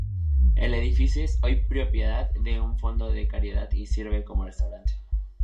El edificio es hoy propiedad de un fondo de caridad y sirve como restaurante.